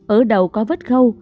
ở đầu có vết khâu